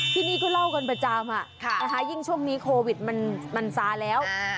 ที่นี่ก็เล่ากันประจำยิ่งช่วงนี้โควิดมันซาแล้ว